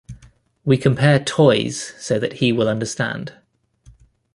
We compare toys so that he will understand.